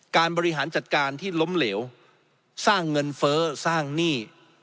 บริหารจัดการที่ล้มเหลวสร้างเงินเฟ้อสร้างหนี้